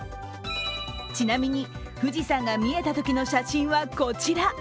ちなみに富士山が見えたときの写真はこちら。